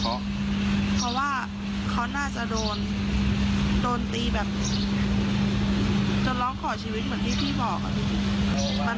เพราะว่าเขาน่าจะโดนตีแบบจนร้องขอชีวิตเหมือนที่พี่บอกอะพี่